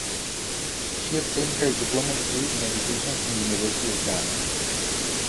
She obtained her Diploma degree in Education from University of Ghana.